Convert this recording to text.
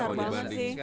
besar banget sih